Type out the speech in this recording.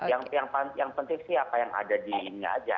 yang penting sih apa yang ada di ini aja